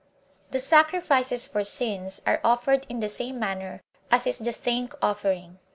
3. The sacrifices for sins are offered in the same manner as is the thank offering.